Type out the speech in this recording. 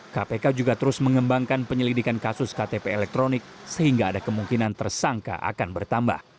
kpk juga terus mengembangkan penyelidikan kasus ktp elektronik sehingga ada kemungkinan tersangka akan bertambah